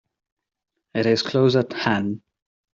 It is close at hand.